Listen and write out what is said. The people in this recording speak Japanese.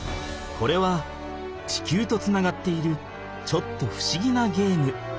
これは地球とつながっているちょっとふしぎなゲーム。